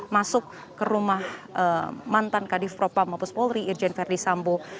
masuk ke rumah mantan kadif propam mahpuspolri irjen ferdisambo